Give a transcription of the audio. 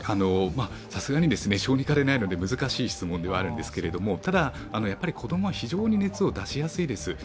さすがに小児科でないので難しい質問ではあるんですけれども、ただ、子供は非常に熱を出しやすいです。